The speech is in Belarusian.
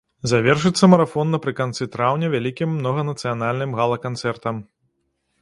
Завершыцца марафон напрыканцы траўня вялікім многанацыянальным гала-канцэртам.